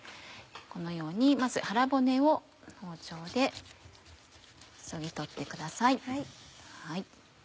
このようにまず腹骨を包丁でそぎ取ってください。